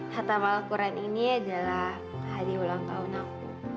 hatta malkuran ini adalah hadiah ulang tahun aku